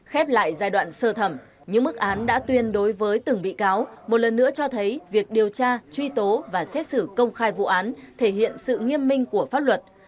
khép lại giai đoạn sơ thẩm những mức án đã tuyên đối với từng bị cáo một lần nữa cho thấy việc điều tra truy tố và xét xử công khai vụ án thể hiện sự nghiêm minh của pháp luật